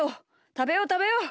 たべようたべよう！